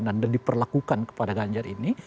dan diperlakukan kepada ganjar ini